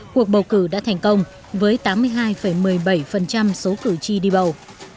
cuộc bầu cử đã thành công với tám mươi hai một mươi bảy số cử tri đi bầu